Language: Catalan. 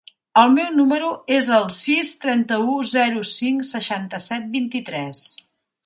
El meu número es el sis, trenta-u, zero, cinc, seixanta-set, vint-i-tres.